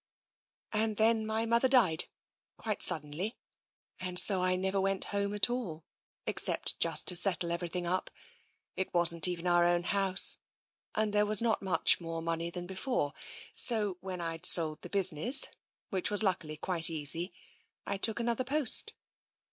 And then my mother died, quite suddenly, and so I never went home at all, except just to settle every thing up — it wasn't even our own house. And there was not much more money than before, so when Td sold the business, which was luckily quite easy, I took another post."